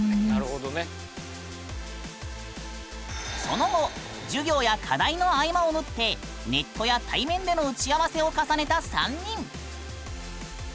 その後授業や課題の合間を縫ってネットや対面での打ち合わせを重ねた３人。